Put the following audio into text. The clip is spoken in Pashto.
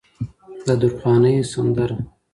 د درخانۍ سندره